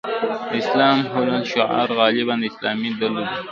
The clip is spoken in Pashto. د الاسلام هو الحل شعار غالباً د اسلامي ډلو ده.